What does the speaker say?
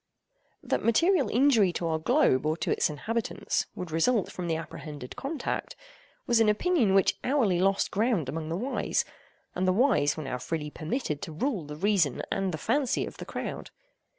That material injury to our globe or to its inhabitants would result from the apprehended contact, was an opinion which hourly lost ground among the wise; and the wise were now freely permitted to rule the reason and the fancy of the crowd.